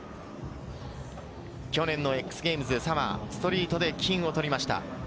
去年のＸＧａｍｅｓサマー、ストリートで金を取りました。